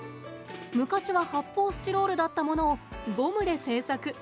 昔は発泡スチロールだったものをゴムで制作。